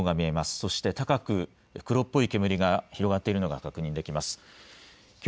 そして高く、黒っぽい煙が広がっているのが確認できます。